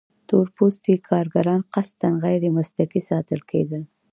تور پوستي کارګران قصداً غیر مسلکي ساتل کېدل.